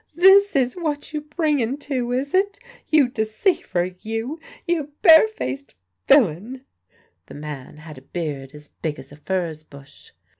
"This is what you bring en to, is it? You deceiver, you! You bare faced villain!" (The man had a beard as big as a furze bush.)